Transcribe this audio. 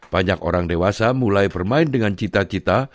banyak orang dewasa mulai bermain dengan cita cita